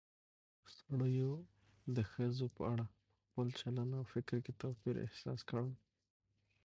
سړيو د ښځو په اړه په خپل چلن او فکر کې توپير احساس کړى